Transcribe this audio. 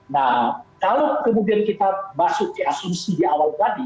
nah kalau kemudian kita masuk di asumsi di awal tadi